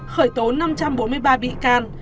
khởi tố năm trăm bốn mươi ba bị can